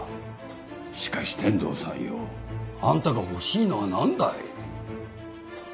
しかし天堂さんよあんたが欲しいのはなんだい？